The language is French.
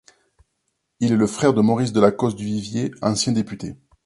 Il est le frère de Maurice de Lacoste du Vivier, ancien député.